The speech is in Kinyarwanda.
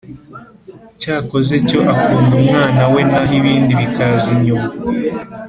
cyakoze cyo akunda umwana we naho ibindi bikaza nyuma